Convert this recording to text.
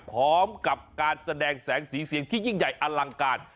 พร้อมกับการแสดงแสงสีเสียงที่ยิ่งใหญ่อลังการ